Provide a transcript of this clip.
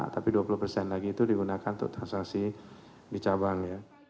tapi dua puluh persen lagi itu digunakan untuk transaksi di cabang ya